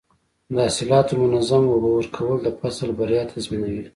د حاصلاتو منظم اوبه ورکول د فصل بریا تضمینوي.